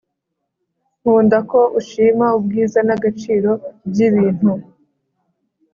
nkunda ko ushima ubwiza nagaciro byibintu